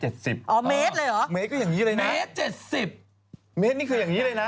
เมตรนี่อย่างนี้เลยเหรอ